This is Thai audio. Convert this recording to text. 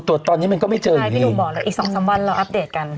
ตรวจตอนนี้มันก็ไม่เจอใช่พี่หนุ่มบอกแล้วอีกสองสามวันเราอัปเดตกัน